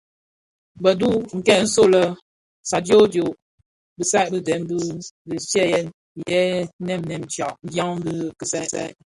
Bëdhub këň nso lè sadioodioo bisai bị dèm i ndigsièn yè nèm nèm dyan i kisaï.